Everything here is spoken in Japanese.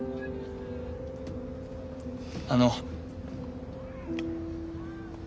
あの。